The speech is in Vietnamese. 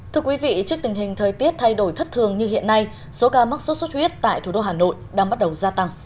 thưa quý vị trước tình hình thời tiết thay đổi thất thường như hiện nay số ca mắc sốt xuất huyết tại thủ đô hà nội đang bắt đầu gia tăng